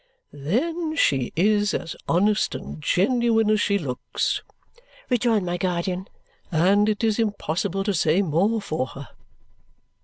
"Then she is as honest and genuine as she looks," rejoined my guardian, "and it is impossible to say more for her."